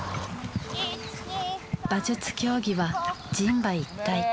馬術競技は人馬一体。